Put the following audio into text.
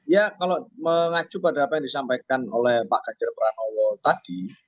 ya kalau mengacu pada apa yang disampaikan oleh pak ganjar pranowo tadi